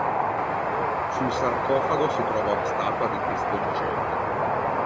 Sul sarcofago si trova una statua di "Cristo giacente".